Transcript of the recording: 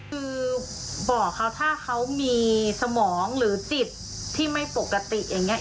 คือบอกเขาถ้าเขามีสมองหรือจิตที่ไม่ปกติอย่างนี้